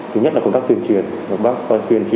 thứ nhất là công tác truyền truyền